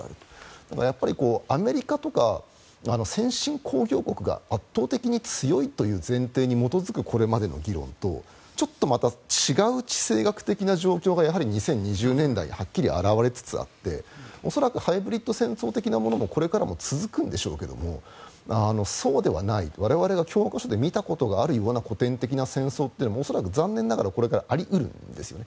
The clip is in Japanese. だからアメリカとか先進工業国が圧倒的に強いという前提に基づくこれまでの議論とちょっとまた違う地政学的な状況がやはり２０２０年代にはっきり表れつつあって恐らくハイブリッド戦争的なものもこれからも続くでしょうがそうではない、我々が教科書で見たことがあるような古典的な戦争というのは恐らく残念ながらこれからあり得るんですよね。